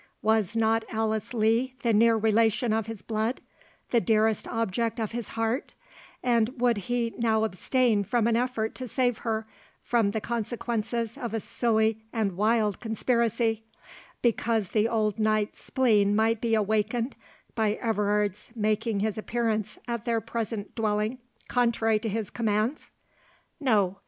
—Was not Alice Lee the near relation of his blood, the dearest object of his heart, and would he now abstain from an effort to save her from the consequences of a silly and wild conspiracy, because the old knight's spleen might be awakened by Everard's making his appearance at their present dwelling contrary to his commands? No.